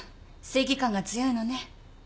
正義感が強いのね。